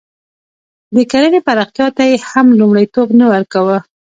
د کرنې پراختیا ته یې هم لومړیتوب نه ورکاوه.